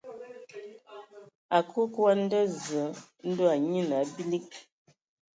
A kǝǝ kwi a nda Zǝǝ ndɔ a anyian a biliŋ.